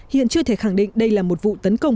hiện chưa thể khẳng định đây là một vụ tấn công